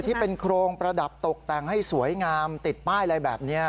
ที่เป็นโครงประดับตกแต่งให้สวยงามติดป้ายอะไรแบบนี้